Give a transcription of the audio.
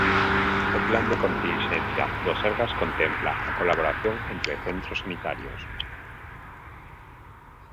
O plan de continxencia do Sergas contempla a colaboración entre centros sanitarios.